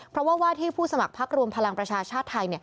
เพราะว่าว่าที่ผู้สมัครพักรวมพลังประชาชาติไทย